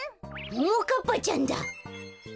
ももかっぱちゃんだ。